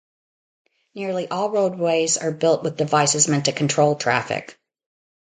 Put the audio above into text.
Nearly all roadways are built with devices meant to control traffic.